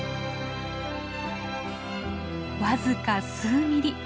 僅か数ミリ。